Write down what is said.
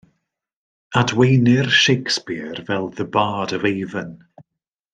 Adwaenir Shakespeare fel The bard of Avon.